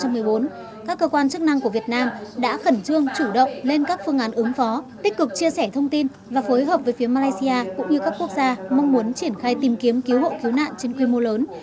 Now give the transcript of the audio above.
các cơ quan chức năng của việt nam đã khẩn trương chủ động lên các phương án ứng phó tích cực chia sẻ thông tin và phối hợp với phía malaysia cũng như các quốc gia mong muốn triển khai tìm kiếm cứu hộ cứu nạn trên quy mô lớn